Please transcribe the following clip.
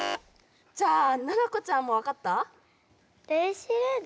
じゃあななこちゃんもわかった？